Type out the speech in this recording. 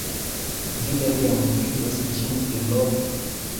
Vi neniam vidos ĝin denove.